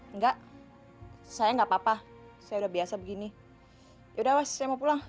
enggak saya enggak apa apa saya udah biasa begini yaudah mas saya mau pulang